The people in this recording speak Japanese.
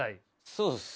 そうですね。